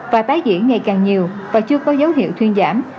và tái diễn ngày càng nhiều và chưa có dấu hiệu thuyên giảm